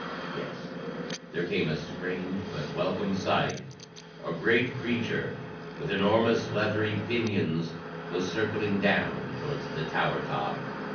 Yes, there came a strange, but welcome sight: a great creature with enormous, leathery pinions was circling down towards the tower top!